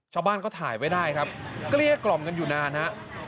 ชาวบ้านก็ถ่ายไว้ได้ครับเกลี้ยกล่อมกันอยู่นานฮะ